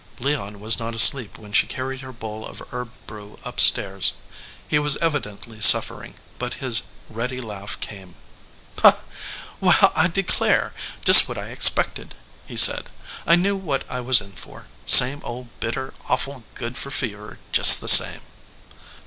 Leon was not asleep when she carried her bowl of herb brew up stairs. He was evidently suffering, but his ready laugh came. "Well, I declare! Just what I expected," he said. "I knew what I was in for. Same old bitter, awful good for fever, just the same."